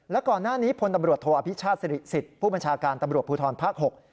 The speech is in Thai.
และก่อนหน้านี้พตโถอศริษฐผู้บัญชาการตำรวจภูทรภาค๖